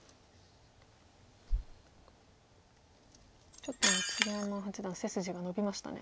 ちょっと今鶴山八段背筋が伸びましたね。